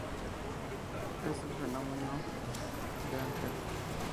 Es el femenino de Ángel.